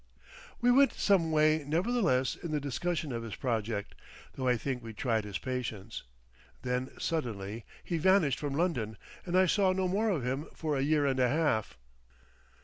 We went some way, nevertheless, in the discussion of his project, though I think we tried his patience. Then suddenly he vanished from London, and I saw no more of him for a year and a half.